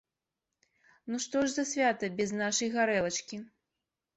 Ну што ж за свята без нашай гарэлачкі?